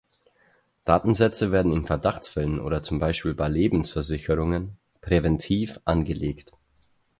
Datensätze werden in Verdachtsfällen oder zum Beispiel bei Lebensversicherungen präventiv angelegt.